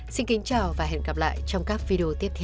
xin kính chào và hẹn gặp lại trong các video tiếp theo